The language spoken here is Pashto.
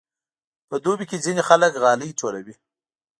په دوبي کې ځینې خلک غالۍ ټولوي.